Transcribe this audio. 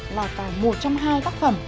lọt vào một trong hai tác phẩm